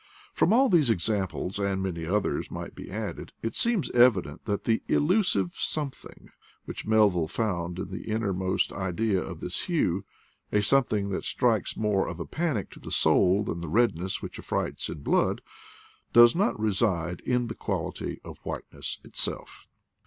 From all these examples, and many others might be added, it seems evident that the " illusive something, " which Melville found in the inner most idea of this hue — a something that strikes more of panic to the soul than the redness which affrights in blood — does not reside in the quality of whiteness itself.